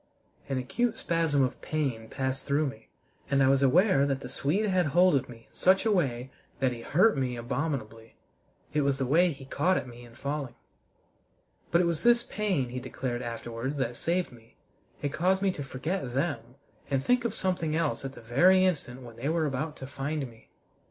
An acute spasm of pain passed through me, and I was aware that the Swede had hold of me in such a way that he hurt me abominably. It was the way he caught at me in falling. But it was this pain, he declared afterwards, that saved me: it caused me to forget them and think of something else at the very instant when they were about to find me.